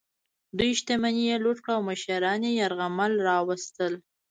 دوی شتمني یې لوټ کړه او مشران یې یرغمل راوستل.